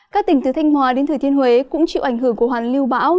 các tỉnh từ thanh hóa đến thủy thiên huế cũng chịu ảnh hưởng của hoàn lưu bão